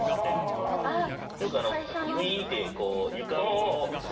よくウィーンって。